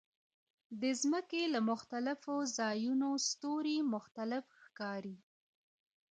د ځمکې له مختلفو ځایونو ستوري مختلف ښکاري.